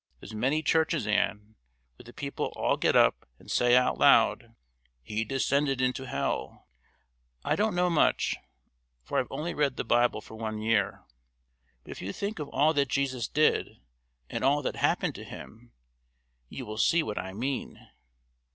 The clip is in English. There's many churches, Ann, where the people all get up and say out loud, 'He descended into hell.' I don't know much, for I've only read the Bible for one year; but if you think of all that Jesus did and all that happened to Him, you will see what I mean.